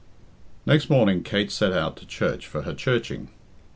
Next morning Kate set out to church for her churching.